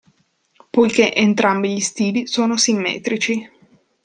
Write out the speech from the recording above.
Poiché entrambi gli stili sono simmetrici.